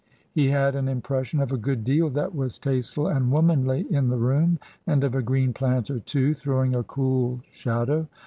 He had an impression of a good deal that was tasteful and womanly in the room, and of a green plant or two throwing a cool shadow.